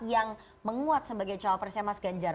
yang menguat sebagai cowok persia mas ganjar